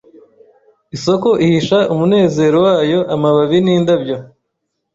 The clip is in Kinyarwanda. Isoko ihisha umunezero wayo amababi nindabyo